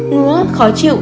ngứa khó chịu